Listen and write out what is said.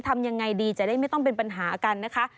ทำยังไงดีจะได้ไม่ต้องเป็นปัญหากันนะคะ